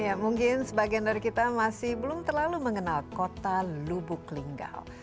ya mungkin sebagian dari kita masih belum terlalu mengenal kota lubuk linggau